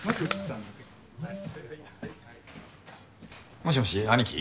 もしもし兄貴？